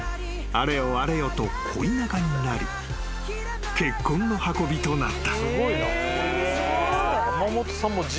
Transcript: ［あれよあれよと恋仲になり結婚の運びとなった］